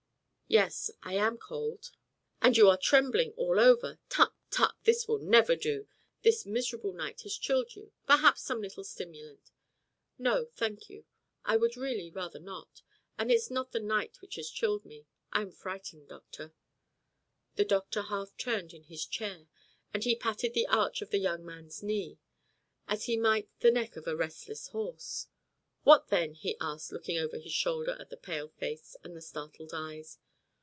"Yes, I am cold." "And you are trembling all over. Tut, tut, this will never do! This miserable night has chilled you. Perhaps some little stimulant " "No, thank you. I would really rather not. And it is not the night which has chilled me. I am frightened, doctor." The doctor half turned in his chair, and he patted the arch of the young man's knee, as he might the neck of a restless horse. "What then?" he asked, looking over his shoulder at the pale face with the startled eyes.